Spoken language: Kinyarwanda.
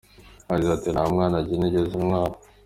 Yagize ati “Nta mwana njye nigeze ntwara.